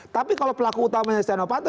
tapi kalau pelaku utamanya setiara fanto